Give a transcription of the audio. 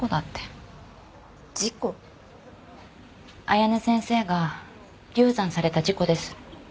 綾音先生が流産された事故です。